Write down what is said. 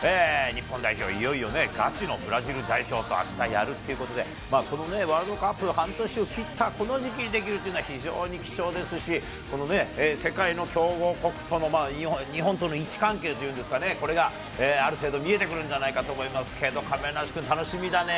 日本代表、いよいよガチのブラジル代表とあしたやるということで、このワールドカップの半年を切った、この時期にできるっていうのは、非常に貴重ですし、世界の強豪国との日本との位置関係っていうんですかね、これがある程度、見えてくるんじゃないかなと思いますけど、亀梨君、楽しみだね。